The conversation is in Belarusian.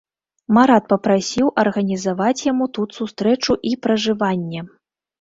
Марат папрасіў арганізаваць яму тут сустрэчу і пражыванне.